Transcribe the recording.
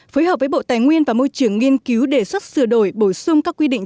phối hợp với bộ tài nguyên và môi trường nghiên cứu đề xuất sửa đổi bổ sung các quy định